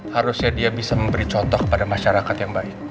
harusnya dia bisa memberi contoh kepada masyarakat yang baik